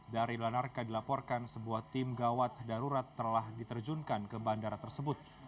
dari lanarka dilaporkan sebuah tim gawat darurat telah diterjunkan ke bandara tersebut